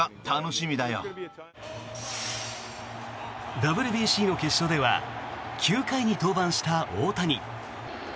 ＷＢＣの決勝では９回に登板した大谷。